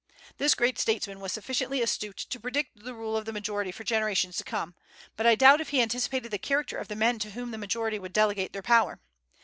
This great statesman was sufficiently astute to predict the rule of the majority for generations to come, but I doubt if he anticipated the character of the men to whom the majority would delegate their power.